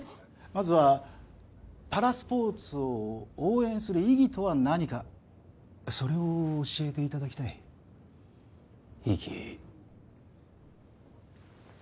まずはパラスポーツを応援する意義とは何かそれを教えていただきたい意義